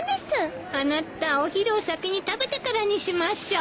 あなたお昼を先に食べてからにしましょう。